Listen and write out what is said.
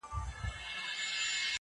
احسان نه مني قانون د زورورو!.